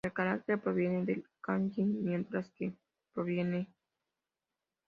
El carácter さ proviene del kanji 左, mientras que サ proviene de 散.